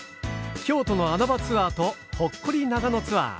京都の穴場ツアーとほっこり長野ツアー。